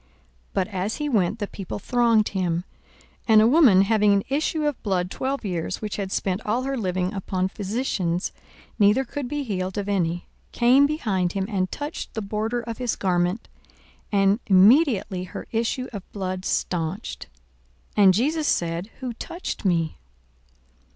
But as he went the people thronged him. 42:008:043 And a woman having an issue of blood twelve years, which had spent all her living upon physicians, neither could be healed of any, 42:008:044 Came behind him, and touched the border of his garment: and immediately her issue of blood stanched. 42:008:045 And Jesus said, Who touched me?